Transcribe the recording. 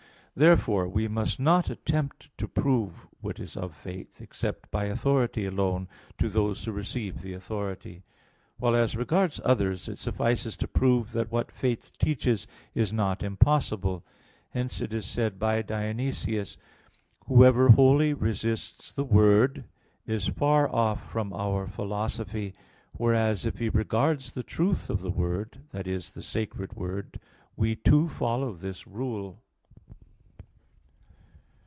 Therefore, we must not attempt to prove what is of faith, except by authority alone, to those who receive the authority; while as regards others it suffices to prove that what faith teaches is not impossible. Hence it is said by Dionysius (Div. Nom. ii): "Whoever wholly resists the word, is far off from our philosophy; whereas if he regards the truth of the word" i.e. "the sacred word, we too follow this rule."